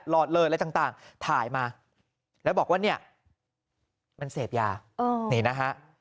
อดเลยอะไรต่างถ่ายมาแล้วบอกว่าเนี่ยมันเสพยานี่นะฮะ